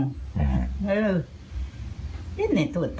ง่าย